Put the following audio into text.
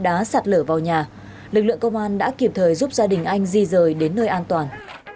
đất đá sạt lở vào nhà lực lượng công an đã kịp thời giúp gia đình anh di rời đến nơi an toàn